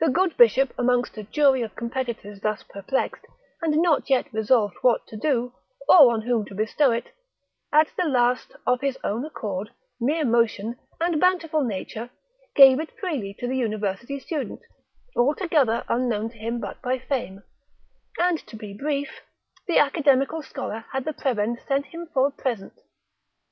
The good bishop amongst a jury of competitors thus perplexed, and not yet resolved what to do, or on whom to bestow it, at the last, of his own accord, mere motion, and bountiful nature, gave it freely to the university student, altogether unknown to him but by fame; and to be brief, the academical scholar had the prebend sent him for a present.